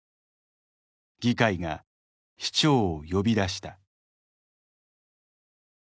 議会が市長を呼び出した。